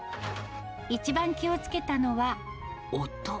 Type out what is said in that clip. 一番気をつけたのは音。